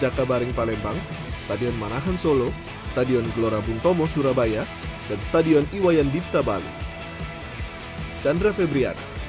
stadion jakarta baring palembang stadion manahan solo stadion gelora buntomo surabaya dan stadion iwayan dipta bali